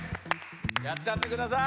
やっちゃってください。